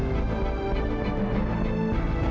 pak pak pak pak